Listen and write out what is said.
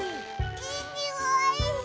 いいにおい。